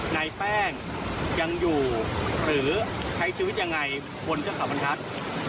นายแป้งยังอยู่หรือใช้ชีวิตยังไงบนเทือกเขาบรรทัศน์